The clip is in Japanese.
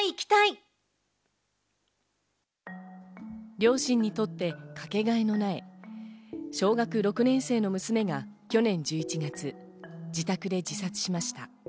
両親にとってかけがえのない小学６年生の娘が去年１１月、自宅で自殺しました。